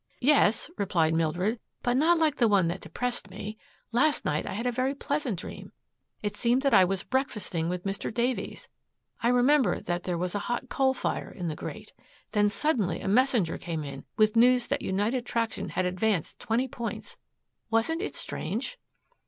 "Yes," replied Mildred, "but not like the one that depressed me. Last night I had a very pleasant dream. It seemed that I was breakfasting with Mr. Davies. I remember that there was a hot coal fire in the grate. Then suddenly a messenger came in with news that United Traction had advanced twenty points. Wasn't it strange?"